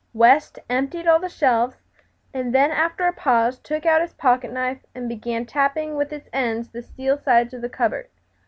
West emptied all the shelves, and then after a pause took out his pocket knife and began tapping with its end the steel sides of the cupboard.